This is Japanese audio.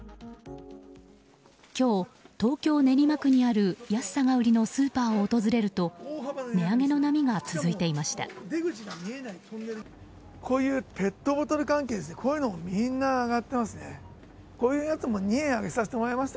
今日、東京・練馬区にある安さが売りのスーパーを訪れると値上げの波が続いていました。